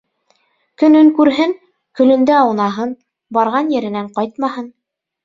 Көнөн күрһен, көлөндә аунаһын, барған еренән ҡайтмаһын!